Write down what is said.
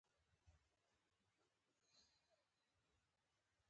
دا دنيا فاني ده، ځان تيار کړه، جنتونو ته